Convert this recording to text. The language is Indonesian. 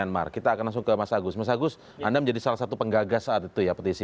mas agus mas agus anda menjadi salah satu penggagas saat itu ya petisi